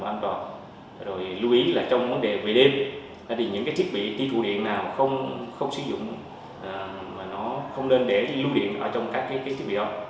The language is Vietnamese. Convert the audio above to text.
nó không nên để lưu điện ở trong các cái thiết bị đó